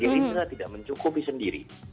gerindra tidak mencukupi sendiri